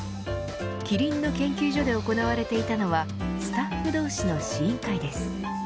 キリンの研究所で行われていたのはスタッフ同士の試飲会です。